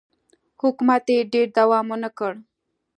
حکومت یې ډېر دوام ونه کړ.